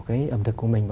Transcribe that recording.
cái ẩm thực của mình